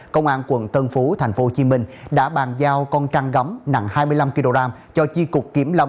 công an quận tân phú thành phố hồ chí minh đã bàn giao con trăng gấm nặng hai mươi năm kg cho chi cục kiểm lâm